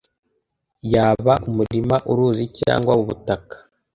yaba umurima uruzi cyangwa ubutaka